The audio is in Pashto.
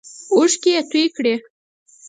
اوښکې یې تویی کړې.